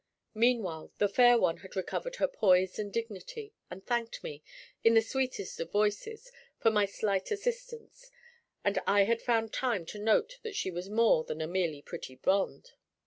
Meanwhile the fair one had recovered her poise and dignity, and thanked me, in the sweetest of voices, for my slight assistance, and I had found time to note that she was more than a merely pretty blonde.